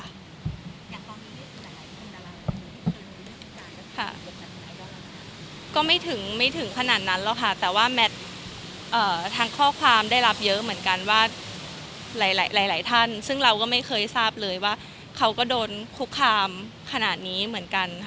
ก็ไม่ถึงไม่ถึงขนาดนั้นหรอกค่ะแต่ว่าแมททางข้อความได้รับเยอะเหมือนกันว่าหลายหลายท่านซึ่งเราก็ไม่เคยทราบเลยว่าเขาก็โดนคุกคามขนาดนี้เหมือนกันค่ะ